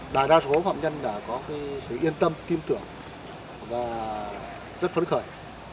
đa số phạm nhân đã có sự yên tâm kim tưởng và rất phấn khởi